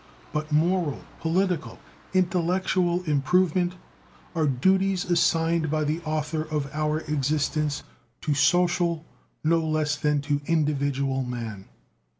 But moral, political, intellectual improvement are duties assigned by the Author of Our Existence to social no less than to individual man.